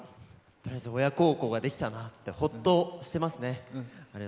とりあえず親孝行ができて、ホッとしていますね。